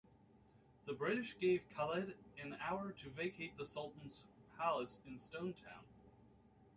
The British gave Khalid an hour to vacate the Sultan's palace in Stone Town.